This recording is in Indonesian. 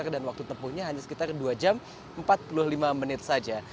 dan waktu tepuhnya hanya sekitar dua jam empat puluh lima menit saja